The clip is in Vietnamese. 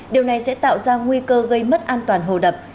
điều này sẽ tạo ra nguy cơ gây mất an toàn hồ đập